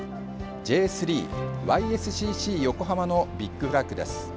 Ｊ３、Ｙ．Ｓ．Ｃ．Ｃ．横浜のビッグフラッグです。